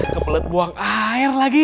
kebelet buang air lagi